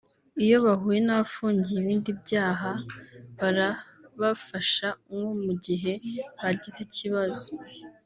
Iyo bahuye n’abafungiye ibindi byaha barabafasha nko mu gihe bagize ikibazo